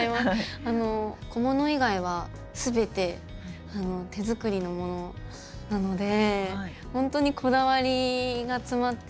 小物以外はすべて手作りのものなので本当にこだわりが詰まっていて。